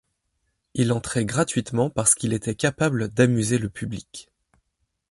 Il entrait gratuitement parce qu'il était capable d'amuser le public.